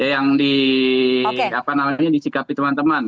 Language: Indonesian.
yang dicikapi teman teman